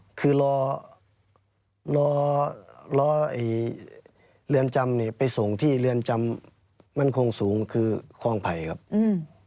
คือรอรอไอ้เรือนจำเนี่ยไปส่งที่เรือนจำมั่นคงสูงคือคลองไผ่ครับอืม